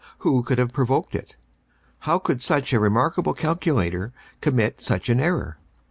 Who could have provoked it?... How could such a remarkable calculator commit such an error?